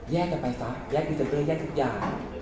กันไปซะแยกพรีเซนเตอร์แยกทุกอย่าง